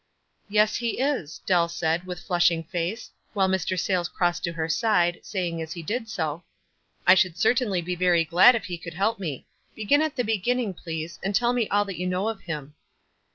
"Yes, he is," Dell said, with flushing face, while Mr. Sayles crossed to her side, saying as he did so, —" I should certainly be very glad if he could help me. Begin at the beginning, please, and tell me all you know of him."